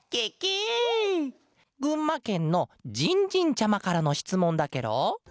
ぐんまけんのじんじんちゃまからのしつもんだケロ。